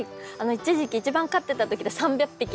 一時期一番飼ってたときで３００匹の。